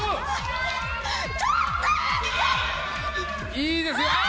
いいですよあっ！